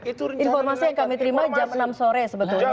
informasi yang kami terima jam enam sore sebetulnya